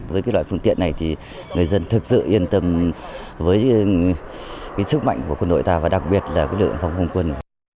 với loại phương tiện này thì người dân thực sự yên tâm với sức mạnh của quân đội ta và đặc biệt là lực lượng phòng không quân